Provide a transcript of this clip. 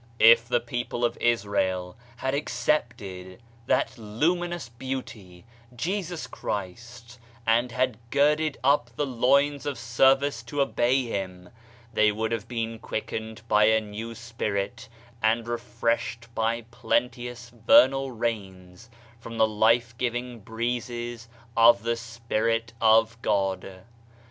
If the people of Israel had accepted that Luminous Beauty, Jesus Christ, and had girded up the loins of service to obey him, they would have been quickened by a new spirit, and refreshed by plenteous vernal rains from the life giving breezes of the Spirit of God.